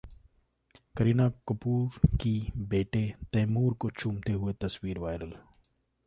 करीना कपूर की बेटे तैमूर को चूमते हुए तस्वीर वायरल